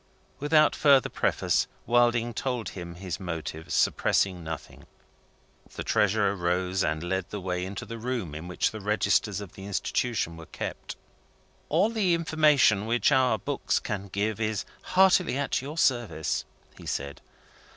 Without further preface, Wilding told him his motive, suppressing nothing. The Treasurer rose, and led the way into the room in which the registers of the institution were kept. "All the information which our books can give is heartily at your service," he said.